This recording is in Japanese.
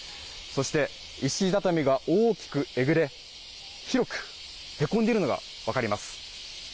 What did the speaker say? そして、石畳が大きくえぐれ、広くへこんでいるのが分かります。